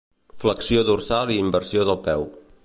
Flexió dorsal i inversió del peu.